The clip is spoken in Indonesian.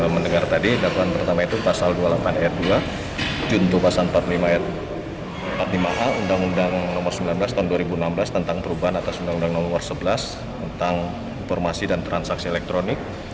mendengar tadi dakwaan pertama itu pasal dua puluh delapan ayat dua junto pasal empat puluh lima empat puluh lima a undang undang nomor sembilan belas tahun dua ribu enam belas tentang perubahan atas undang undang nomor sebelas tentang informasi dan transaksi elektronik